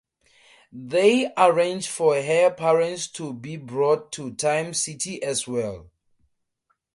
They arrange for her parents to be brought to Time City as well.